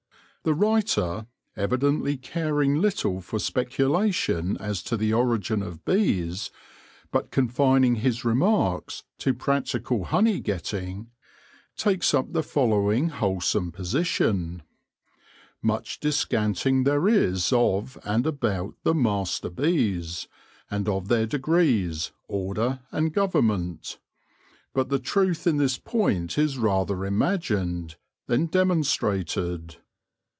The writer, evidently caring little for speculation as to the origin of bees, but confining his remarks to practical honey getting, takes up the following wholesome position :" Much discanting there is of, and about the Master Bees, and of their degrees, order, and Government : but the truth in this point is rather imagined, than demon strated.